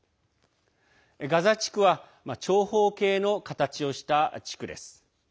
ガザ地区は長方形の形をした地区です。